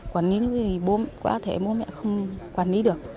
quản lý thì bố mẹ không quản lý được